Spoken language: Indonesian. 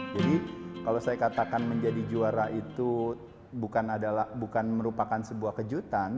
jadi kalau saya katakan menjadi juara itu bukan merupakan sebuah kejutan